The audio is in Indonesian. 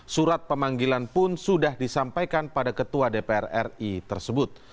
surat pemanggilan pun sudah disampaikan pada ketua dpr ri tersebut